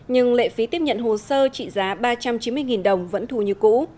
nhưng lệ phí tiếp nhận hồ sơ trị giá ba trăm chín mươi đồng vẫn thù như cũ